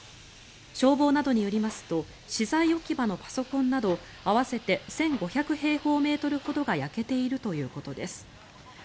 消防などによりますと資材置き場のパソコンなど合わせて１５００平方メートルほどが焼けているということです。